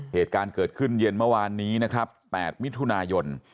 เหตุการณ์เกิดขึ้นเย็นเมื่อวานนี้นะครับ๘มิถุนายน